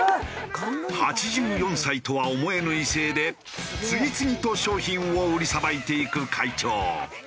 ８４歳とは思えぬ威勢で次々と商品を売りさばいていく会長。